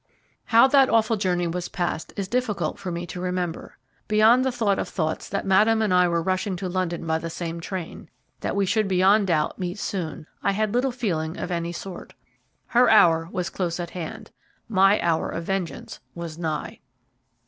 How that awful journey was passed is difficult for me to remember. Beyond the thought of thoughts that Madame and I were rushing to London by the same train, that we should beyond doubt meet soon, I had little feeling of any sort. Her hour was close at hand my hour of vengeance was nigh.